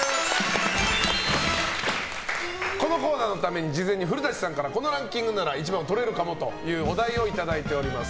このコーナーのために事前に古舘さんからこのランキングなら１番をとれるかもと思うお題をいただいております。